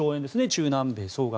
中南米総額。